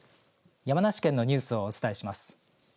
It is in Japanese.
山梨県のニュースをお伝えします。